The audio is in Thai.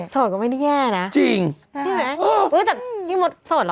สโดนคลก็ไม่ได้แย่นะพี่มทรสโดนหรอ